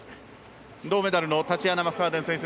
銅メダルタチアナ・マクファーデン選手。